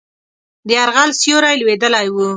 د یرغل سیوری لوېدلی وو.